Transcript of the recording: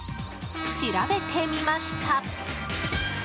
調べてみました。